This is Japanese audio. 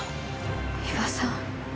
伊庭さん。